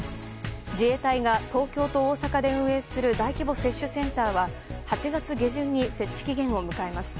自衛隊が東京と大阪で運営する大規模接種センターは８月下旬に設置期限を迎えます。